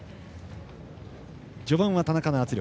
序盤は田中の圧力。